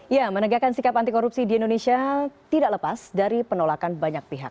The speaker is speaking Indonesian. ya menegakkan sikap anti korupsi di indonesia tidak lepas dari penolakan banyak pihak